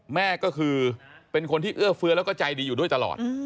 แม่ก็คือเป็นคนที่เอื้อเฟื้อแล้วก็ใจดีอยู่ด้วยตลอด